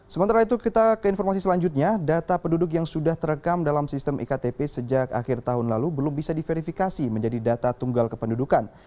sementara itu kita ke informasi selanjutnya data penduduk yang sudah terekam dalam sistem iktp sejak akhir tahun lalu belum bisa diverifikasi menjadi data tunggal kependudukan